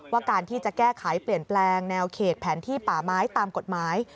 การที่จะแก้ไขเปลี่ยนแปลงแนวเขตแผนที่ป่าไม้ตามกฎหมาย